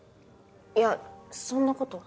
いやそんなこと。